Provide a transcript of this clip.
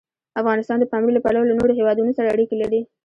افغانستان د پامیر له پلوه له نورو هېوادونو سره اړیکې لري.